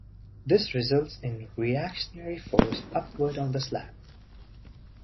This results in a reactionary force upward on the slab.